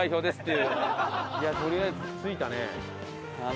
いやとりあえず着いたね。